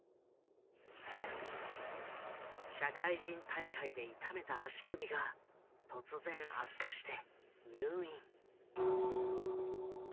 社会人大会で痛めた足首が突然悪化して入院。